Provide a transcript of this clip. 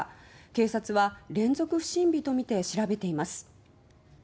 警察は連続不審火とみて調べています。